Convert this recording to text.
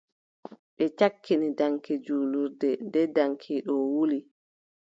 Ɓe cakkini daŋki jurlirnde, nden daŋki ɗo wuli.